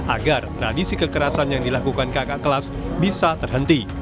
agar tradisi kekerasan yang dilakukan kakak kelas bisa terhenti